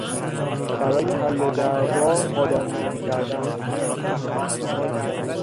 برای حل دعوا پادر میانی کردن